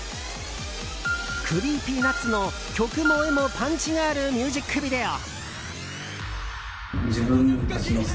ＣｒｅｅｐｙＮｕｔｓの曲も画もパンチがあるミュージックビデオ。